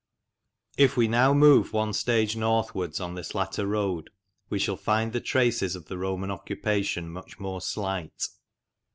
If we now move one stage northwards on this latter road, we shall find the traces of the Roman occupation much more slight.